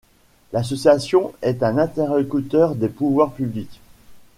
L'association est un interlocuteur des pouvoirs publics.